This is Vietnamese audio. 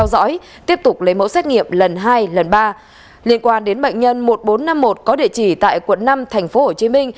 liên quan đến bệnh nhân một nghìn bốn trăm năm mươi một có địa chỉ tại quận năm tp hcm